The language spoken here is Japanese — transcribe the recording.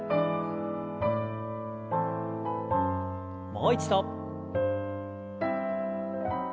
もう一度。